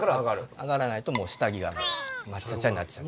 上がらないともう下着が真っ茶っ茶になっちゃう。